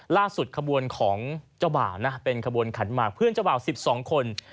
ขบวนของเจ้าบ่าวนะเป็นขบวนขันหมากเพื่อนเจ้าบ่าว๑๒คน